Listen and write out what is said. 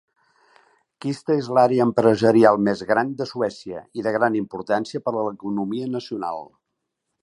Kista és l'àrea empresarial més gran de Suècia i de gran importància per a l'economia nacional.